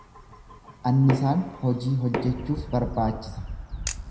Annisaan hojii hojjechuuf barbaachisa.